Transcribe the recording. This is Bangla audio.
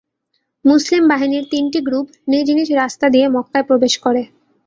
মুসলিম বাহিনীর তিনটি গ্রুপ নিজ নিজ রাস্তা দিয়ে মক্কায় প্রবেশ করে।